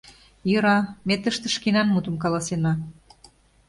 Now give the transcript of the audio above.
Йӧра, ме тыште шкенан мутым каласена...